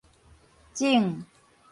整